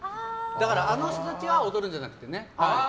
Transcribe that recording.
あの人たちが踊るんじゃなくてね。